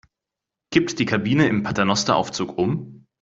Kippt die Kabine im Paternosteraufzug um?